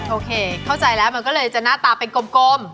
โอเคเข้าใจแล้วมันก็เลยจะหน้าตาเป็นกลม